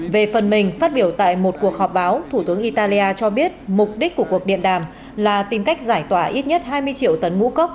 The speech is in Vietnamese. về phần mình phát biểu tại một cuộc họp báo thủ tướng italia cho biết mục đích của cuộc điện đàm là tìm cách giải tỏa ít nhất hai mươi triệu tấn ngũ cốc